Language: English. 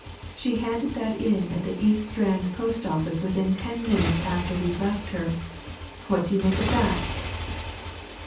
she handed that in at the East Strand post office within ten minutes after we'd left her! What do you make of that?"